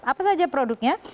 apa saja produknya